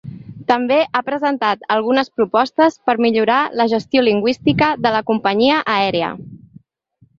També ha presentat algunes propostes per millorar la gestió lingüística de la companyia aèria.